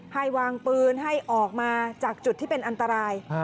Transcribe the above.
ให้วางปืนให้ออกมาจากจุดที่เป็นอันตราย